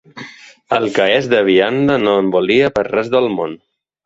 El què és de vianda no en volia per res del món.